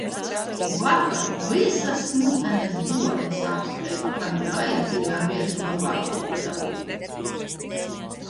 Vakar visas Smiltenes bodes apskrēju, kamēr vajadzīgā biezuma papīru dabūju.